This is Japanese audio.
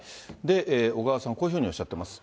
小川さん、こういうふうにおっしゃっています。